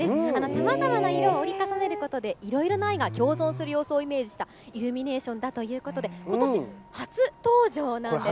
さまざまな色をおり重ねることで、いろいろな愛が共存することをイメージしたイルミネーションということで、ことし、初登場なんです。